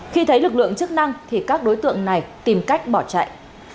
khi thấy lực lượng chức năng thì các đối tượng này tìm cách bỏ chạy